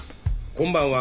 こんばんは。